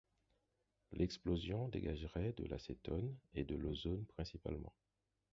L'explosion dégagerait de l'acetone et de l'ozone principalement.